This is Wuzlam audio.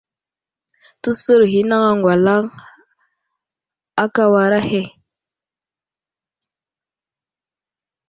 Təsər ghinaŋ aŋgwalaŋ aka war ahe.